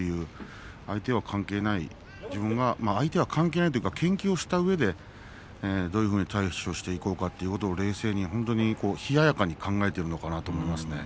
相手は関係ない関係ないというか研究したうえでどういうふうに対処していこうか冷静に冷ややかに考えていると思います。